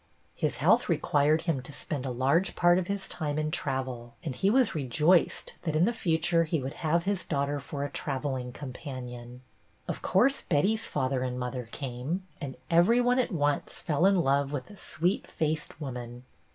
His health required him to sjaend a large part of his time in travel, and he was rejoiced that in the future he would have his daughter for a travelling companion. Of course Betty's father and mother came, and every one at once fell in love with the sweet faced woman.